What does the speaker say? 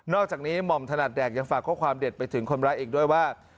อกจากนี้หม่อมถนัดแดกยังฝากข้อความเด็ดไปถึงคนร้ายอีกด้วยว่า